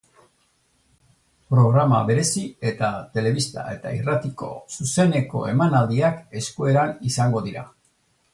Programa berezi eta telebista eta irratiko zuzeneko emanaldiak eskueran izango dira.